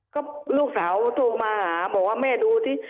ก็ลูกสาวโทรมาหาบอกว่าแม่ดูสิ